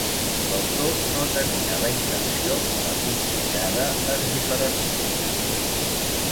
L’autor no tenia la intenció que la pinzellada es diferenciés.